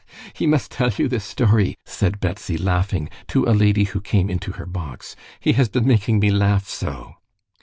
"Ah, he must tell you this story!" said Betsy, laughing, to a lady who came into her box. "He has been making me laugh so."